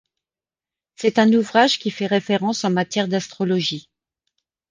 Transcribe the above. C'est un ouvrage qui fait référence en matière d'astrologie.